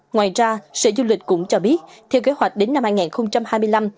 ngoài ra sở du lịch cũng cho biết theo kế hoạch đến năm hai nghìn hai mươi năm